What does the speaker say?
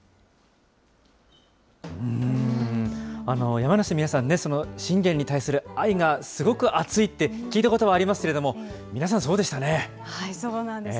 山梨の皆さんね、信玄に対する愛がすごく熱いって聞いたことはありますけれども、そうなんです。